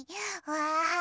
わあ！